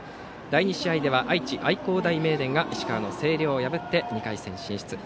第２試合は愛知の愛工大名電が石川の星稜を破り２回戦進出。